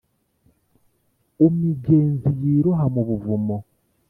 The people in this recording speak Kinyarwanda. umigenzi yiroha mu buvumo